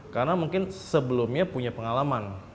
karena mungkin sebelumnya punya pengalaman